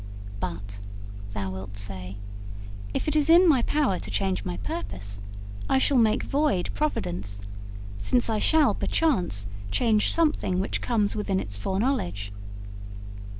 "But," thou wilt say, "if it is in my power to change my purpose, I shall make void providence, since I shall perchance change something which comes within its foreknowledge."